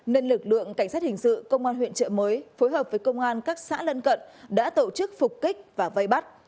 nên lực lượng cảnh sát hình sự công an huyện trợ mới phối hợp với công an các xã lân cận đã tổ chức phục kích và vây bắt